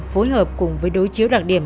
phối hợp cùng với đối chiếu đặc điểm